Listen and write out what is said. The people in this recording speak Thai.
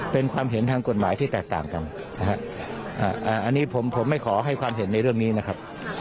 เป็นความเห็นทางกฎหมายที่แตกต่างกันนะฮะอันนี้ผมไม่ขอให้ความเห็นในเรื่องนี้นะครับ